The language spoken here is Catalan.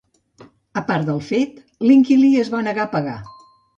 A part del fet, l'inquilí es va negar a pagar.